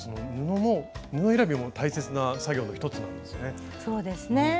布選びも大切な作業の一つなんですね。